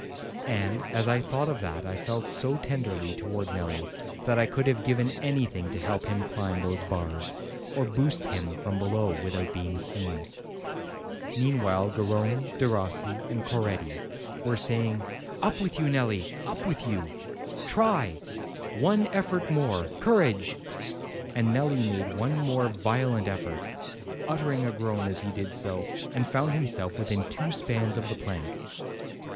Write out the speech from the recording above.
And as I thought of that I felt so tenderly towards Nelli that I could have given anything to help him climb those bars, or boost him from below without being seen. Meanwhile Garrone, Derossi, and Coretti were say ing: "Up with you, Nelli, up with you!" Try one effort more courage!" And Nelli made one more violent effort, utering a groan as he did so, and found himself within two spans of the plank.